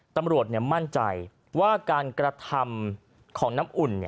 ตำรวจมั่นใจว่าการกระทำของน้ำอุ่น